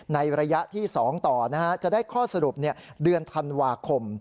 ในระยะที่๒ต่อจะได้ข้อสรุปเดือนธันวาคม